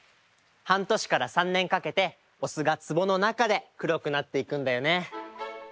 半年から三年かけてお酢が壺のなかで黒くなっていくんだよね。